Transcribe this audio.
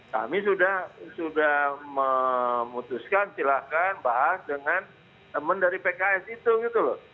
kami sudah memutuskan silahkan bahas dengan teman dari pks itu gitu loh